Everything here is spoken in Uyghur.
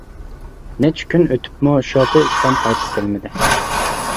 نەچچە كۈن ئۆتۈپمۇ شوپۇر ئۇستام قايتىپ كەلمىدى.